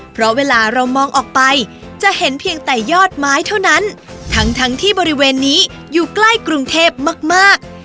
เพราะเวลาเรามองออกไปจะเห็นเพียงแต่ยอดไม้เท่านั้นทั้งทั้งที่บริเวณนี้อยู่ใกล้กรุงเทพมากมาก